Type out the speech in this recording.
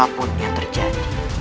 apapun yang terjadi